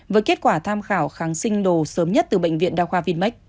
với kết quả tham khảo kháng sinh đồ sớm nhất từ bệnh viện đa khoa vinmec